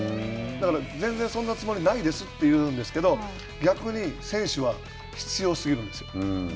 だから、全然そんなつもりないですと言うんですけど、逆に、選手は必要過ぎるんですよ。